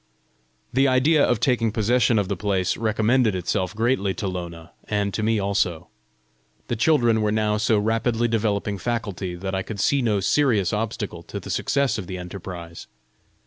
The idea of taking possession of the place, recommended itself greatly to Lona and to me also. The children were now so rapidly developing faculty, that I could see no serious obstacle to the success of the enterprise.